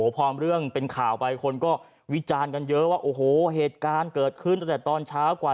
พอเรื่องเป็นข่าวไปคนก็วิจารณ์กันเยอะว่าโอ้โหเหตุการณ์เกิดขึ้นตั้งแต่ตอนเช้ากว่า